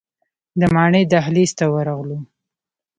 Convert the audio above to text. د ماڼۍ دهلیز ته ورغلو.